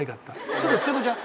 ちょっとちさ子ちゃん